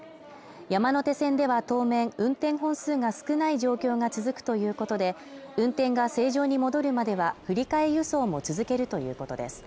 山手線では当面運転本数が少ない状況が続くということで運転が正常に戻るまでは振り替え輸送も続けるということです